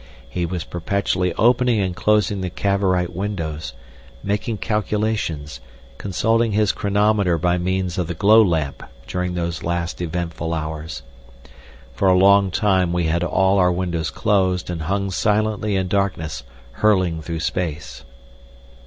He was perpetually opening and closing the Cavorite windows, making calculations, consulting his chronometer by means of the glow lamp during those last eventful hours. For a long time we had all our windows closed and hung silently in darkness hurling through space.